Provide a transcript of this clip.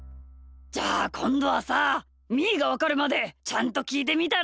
じゃあこんどはさみーがわかるまでちゃんときいてみたら？